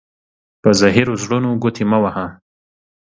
په زهيرو زړونو گوتي مه وهه.